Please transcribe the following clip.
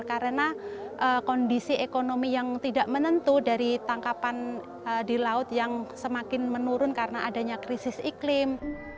karena kondisi ekonomi yang tidak menentu dari tangkapan di laut yang semakin menurun karena adanya krisis iklim